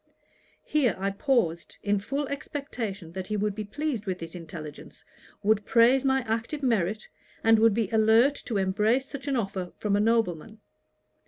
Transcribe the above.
Here I paused, in full expectation that he would be pleased with this intelligence, would praise my active merit, and would be alert to embrace such an offer from a nobleman.